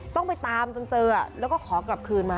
ต้องไปตามจนเจอแล้วก็ขอกลับคืนมา